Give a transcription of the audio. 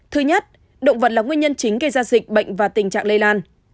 thứ nhất động vật là nguyên nhân chính gây ra dịch bệnh và tình trạng lây lan